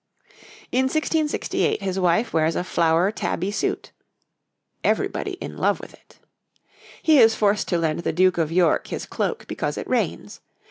In 1668 his wife wears a flower tabby suit ('everybody in love with it'). He is forced to lend the Duke of York his cloak because it rains.